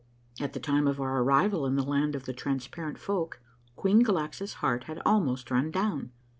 At the time of our arrival in the Land of the Transparent Folk, Queen Galaxa's heart had almost run down.